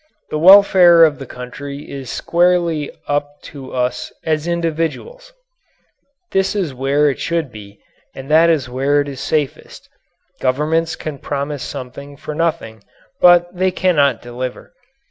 The welfare of the country is squarely up to us as individuals. That is where it should be and that is where it is safest. Governments can promise something for nothing but they cannot deliver.